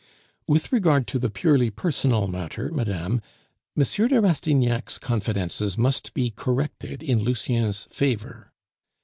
With regard to the purely personal matter, madame, M. de Rastignac's confidences must be corrected in Lucien's favor.